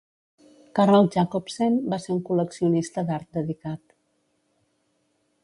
Carl Jacobsen va ser un col·leccionista d'art dedicat.